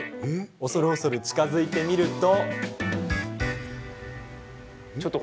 恐る恐る近づいてみると。